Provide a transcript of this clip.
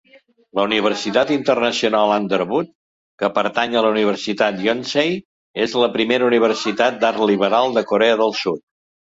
La Universitat internacional Underwood que pertany a la Universitat Yonsei és la primera universitat d'art liberal de corea del Sud.